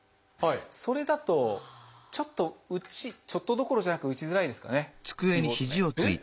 それだとちょっとちょっとどころじゃなく打ちづらいですかねキーボード。